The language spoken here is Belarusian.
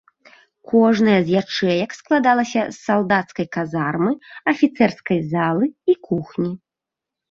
Кожная з ячэек складалася з салдацкай казармы, афіцэрскай залы і кухні.